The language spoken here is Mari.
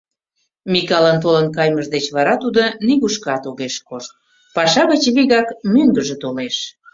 Микалын толын каймыж деч вара тудо нигушкат огеш кошт, паша гыч вигак мӧҥгыжӧ толеш.